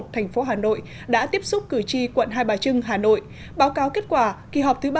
thành phố hà nội đã tiếp xúc cử tri quận hai bà trưng hà nội báo cáo kết quả kỳ họp thứ ba